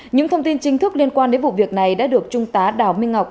những thông tin chính thức liên quan đến vụ việc này đã được trung tá đào minh ngọc